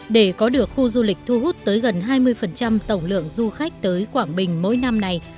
để có được khu du lịch thu hút tới gần hai mươi tổng lượng du khách tới quảng bình mỗi năm này